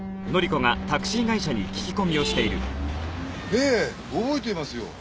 ええ覚えていますよ。